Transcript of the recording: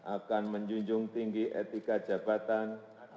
akan menjunjung tinggi etika jabatan